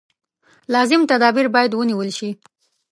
لازم تدابیر باید ونېول شي.